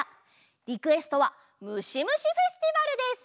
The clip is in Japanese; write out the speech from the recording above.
リクエストは「むしむしフェスティバル」です！